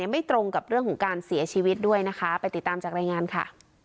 ไม่ตรงกับเรื่องของการเสียชีวิตด้วยนะคะไปติดตามจากรายงานค่ะ